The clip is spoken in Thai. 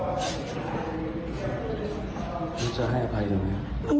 คุณจะให้อภัยอย่างนี้